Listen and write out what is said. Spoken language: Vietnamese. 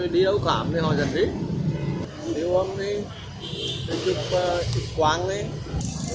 đi ở khám thì họ dẫn đi đi ôm đi chụp quang đi